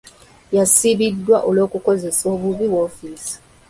Yasibiddwa olw'okukozesa obubi woofiisi.